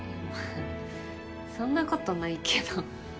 そんなことないけど。